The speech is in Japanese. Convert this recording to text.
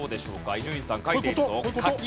伊集院さん書いているぞ。